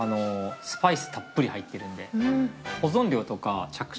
スパイスたっぷり入ってるんで。